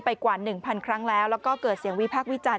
กว่า๑๐๐ครั้งแล้วแล้วก็เกิดเสียงวิพากษ์วิจารณ